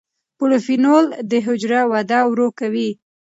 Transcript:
پولیفینول د حجرو وده ورو کوي.